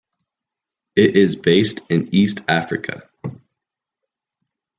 It is based in East Africa.